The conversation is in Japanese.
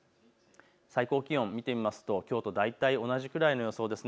最高気温を見てみますときょうと大体同じくらいの予想です。